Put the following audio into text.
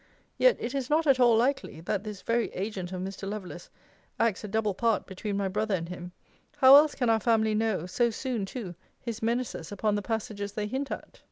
Yet it is not at all likely, that this very agent of Mr. Lovelace acts a double part between my brother and him: How else can our family know (so soon too) his menaces upon the passages they hint at?